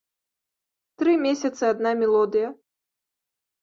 Тры месяцы адна мелодыя.